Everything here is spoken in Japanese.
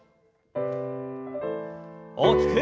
大きく。